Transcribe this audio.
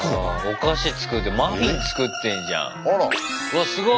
お菓子作ってマフィン作ってんじゃん。わすごっ！